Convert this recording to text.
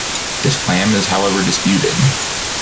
This claim is however disputed.